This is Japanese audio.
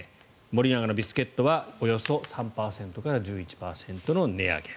森永のビスケットはおよそ３％から１１％の値上げ。